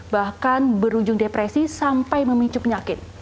bahkan berujung depresi sampai memicu penyakit